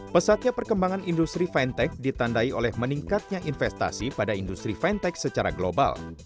pesatnya perkembangan industri fintech ditandai oleh meningkatnya investasi pada industri fintech secara global